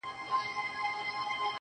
o نسه نه وو نېمچه وو ستا د درد په درد.